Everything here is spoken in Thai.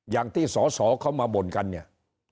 อย่างที่สอสอเขามาบ่นกันเนี่ย